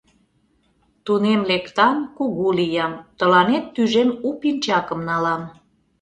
— Тунем лектам, кугу лиям, тыланет тӱжем у пинчакым налам...